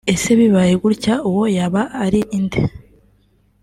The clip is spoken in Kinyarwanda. ese bibaye gutya uwo yaba ari inde